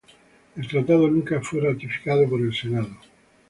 El tratado nunca fue ratificado por el Senado.